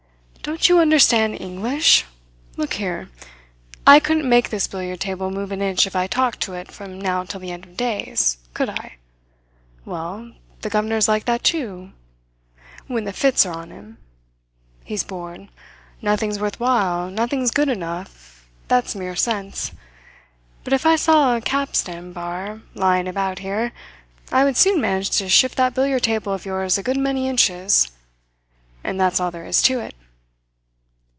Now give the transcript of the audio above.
"Don't you understand English? Look here! I couldn't make this billiard table move an inch if I talked to it from now till the end of days could I? Well, the governor is like that, too, when the fits are on him. He's bored. Nothing's worthwhile, nothing's good enough, that's mere sense. But if I saw a capstan bar lying about here, I would soon manage to shift that billiard table of yours a good many inches. And that's all there is to it."